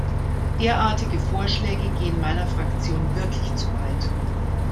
Derartige Vorschläge gehen meiner Fraktion wirklich zu weit.